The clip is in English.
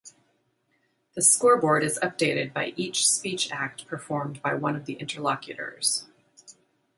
The scoreboard is updated by each speech act performed by one of the interlocutors.